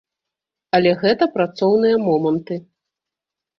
Але гэта працоўныя моманты.